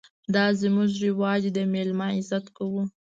_دا زموږ رواج دی، د مېلمه عزت کوو.